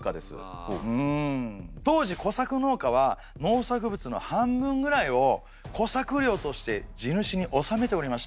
当時小作農家は農作物の半分ぐらいを小作料として地主に納めておりました。